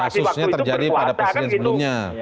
kasusnya terjadi pada presiden sebelumnya